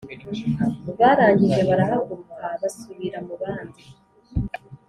barangije barahaguruka basubira mubandi.